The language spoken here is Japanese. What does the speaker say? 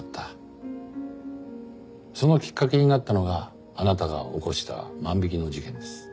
そのきっかけになったのがあなたが起こした万引きの事件です。